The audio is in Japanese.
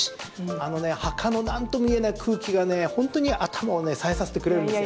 あの墓のなんとも言えない空気が本当に頭を冴えさせてくれるんですよ。